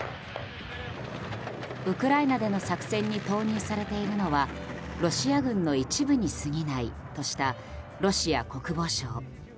ウクライナでの作戦に投入されているのはロシア軍の一部にすぎないとしたロシア国防省。